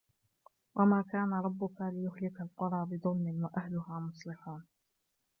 وَمَا كَانَ رَبُّكَ لِيُهْلِكَ الْقُرَى بِظُلْمٍ وَأَهْلُهَا مُصْلِحُونَ